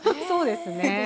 そうですね。